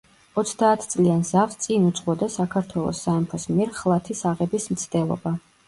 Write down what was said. ოცდაათწლიან ზავს წინ უძღვოდა საქართველოს სამეფოს მიერ ხლათის აღების მცდელობა.